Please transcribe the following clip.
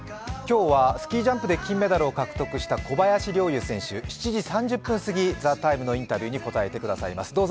今日はスキージャンプで金メダルを獲得した小林陵侑選手、７時３０分すぎ「ＴＨＥＴＩＭＥ，」のインタビューに答えてくださいます。